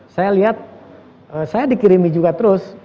saya lihat saya dikirimi juga terus